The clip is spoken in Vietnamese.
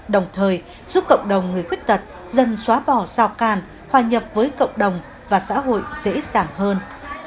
đồng thời giúp cộng đồng người khuyết tật dần xóa bỏ sao càn hòa nhập với cộng đồng và xã hội dễ dàng hơn